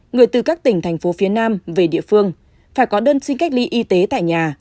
người từ các tỉnh thành phố phía nam về địa phương phải có đơn xin cách ly y tế tại nhà